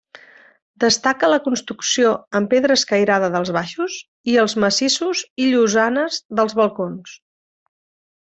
Destaca la construcció amb pedra escairada dels baixos i els massissos i llosanes dels balcons.